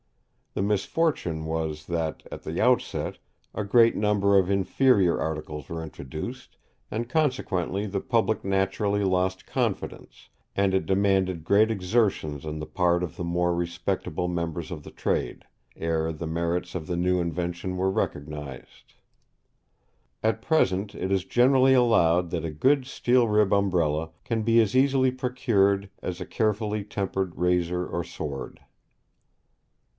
The misfortune was that, at the outset, a great number of inferior articles were introduced, and consequently the public naturally lost confidence, and it demanded great exertions on the part of the more respectable members of the trade, ere the merits of the new invention were recognised. At present, it is generally allowed that a good steel rib Umbrella can be as easily procured as a carefully tempered razor or sword.